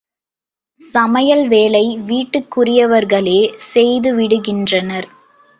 சமையல் வேலை வீட்டுக்குரியவர்களே செய்துவிடுகின்றனர்.